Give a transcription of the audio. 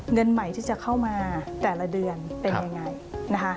เงินใหม่ที่จะเข้ามาแต่ละเดือนเป็นยังไงนะคะ